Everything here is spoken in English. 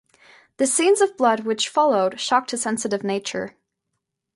The scenes of blood which followed shocked his sensitive nature.